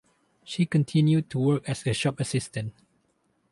She continued to work as a shop assistant.